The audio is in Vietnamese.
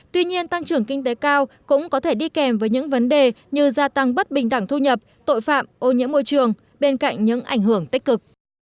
tuy nhiên tăng trưởng kinh tế cao cũng có thể đi kèm với những vấn đề như gia tăng bất bình đẳng thu nhập tội phạm ô nhiễm môi trường bên cạnh những ảnh hưởng tích cực